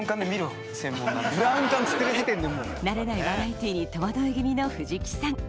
慣れないバラエティーに戸惑い気味の藤木さん